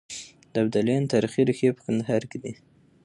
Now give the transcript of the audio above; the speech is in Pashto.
د ابدالیانو تاريخي ريښې په کندهار کې دي.